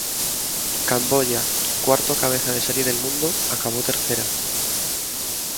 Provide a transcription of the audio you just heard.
Camboya, cuarto cabeza de serie del mundo, acabó tercera.